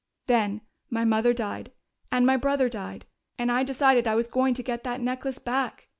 "Then my mother died, and my brother died, and I decided I was going to get that necklace back.